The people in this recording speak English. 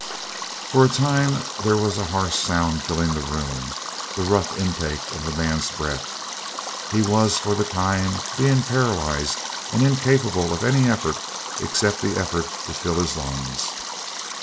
For a time there was a harsh sound filling the room, the rough intake of the man's breath; he was for the time being paralyzed and incapable of any effort except the effort to fill his lungs.